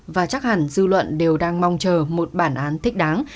và chắc hẳn dư luận đều đang mong chờ một bản án thích đáng